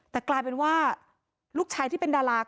แต่กลายเป็นว่าลูกชายที่เป็นดารา